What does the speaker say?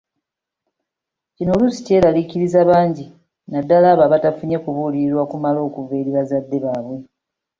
Kino oluusi kyeraliikiriza bangi naddala abo abatafunye kubuulirirwa kumala okuva eri abazadde baabwe.